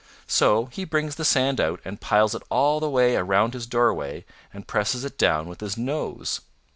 So he brings the sand out and piles it all the way around his doorway and presses it down with his nose.